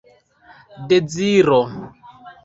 deziro